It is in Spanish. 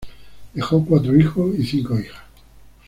Dejó cuatro hijos y cinco hijas.